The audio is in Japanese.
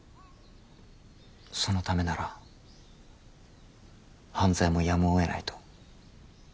そのためなら犯罪もやむをえないと？